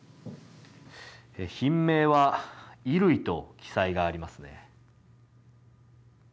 品名は衣類と記載がありますね。